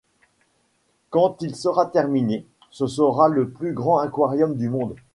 Quand il sera terminé, ce sera le plus grand aquarium du monde.